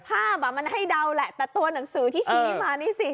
ภาพอ่ะมันให้เดาแหละแต่ตัวหนังสือที่ชี้มานี่สิ